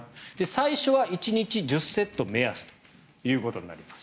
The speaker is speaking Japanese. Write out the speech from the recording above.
最初は１日１０セット目安ということになります。